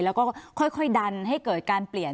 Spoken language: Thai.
แล้วก็ค่อยดันให้เกิดการเปลี่ยน